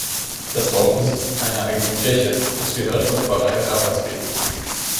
Das Dorf besitzt keine eigene Kirche, es gehört zur Pfarrei Rapperswil.